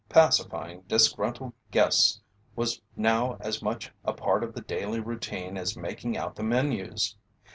Pacifying disgruntled guests was now as much a part of the daily routine as making out the menus.